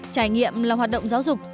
trải nghiệm là hoạt động giáo dục